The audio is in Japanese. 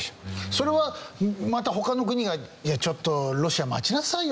それはまた他の国がいやちょっとロシア待ちなさいよ